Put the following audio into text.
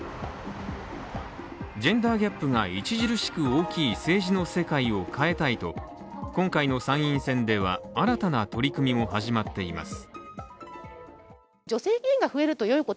ジェンダーギャップが著しく大きい政治の世界を変えたいと今回の参院選では、新たな取り組みも始まっています。